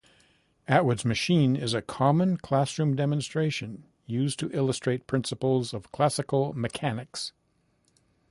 Atwood's machine is a common classroom demonstration used to illustrate principles of classical mechanics.